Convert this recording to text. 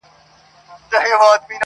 زه به دلته قتل باسم د خپلوانو،